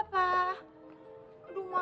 papa olga sini dulu ya